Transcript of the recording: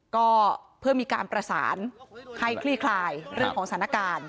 ก็เพื่อมีการประสานให้คลี่คลายเรื่องของสถานการณ์